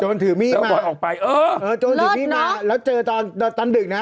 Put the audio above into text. โจรถือมี่มาเออโจรถือมี่มาแล้วเจอตอนตอนตอนดึกน่ะ